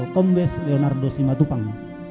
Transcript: kombes leonardo simatupang